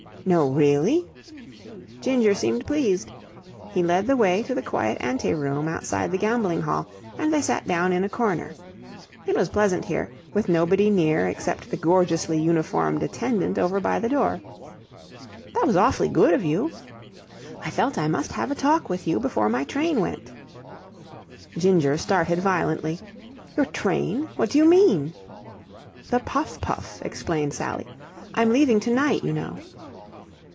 "No, really?" Ginger seemed pleased. He led the way to the quiet ante room outside the gambling hall, and they sat down in a corner. It was pleasant here, with nobody near except the gorgeously uniformed attendant over by the door. "That was awfully good of you." "I felt I must have a talk with you before my train went." Ginger started violently. "Your train? What do you mean?" "The puff puff," explained Sally. "I'm leaving to night, you know."